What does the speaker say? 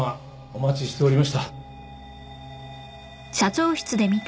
お待ちしておりました。